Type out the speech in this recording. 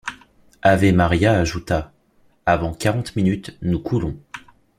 Ave-Maria ajouta: — Avant quarante minutes, nous coulons.